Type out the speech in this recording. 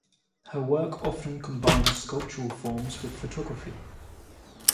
Her work often combines sculptural forms with photography.